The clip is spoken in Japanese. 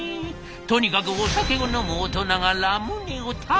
とにかくお酒を飲む大人がラムネを食べてるんです！